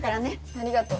ありがとう。